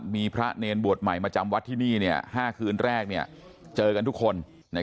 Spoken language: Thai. มีพระเนรบวชใหม่มาจำวัดที่นี่๕คืนแรกเจอกันทุกคน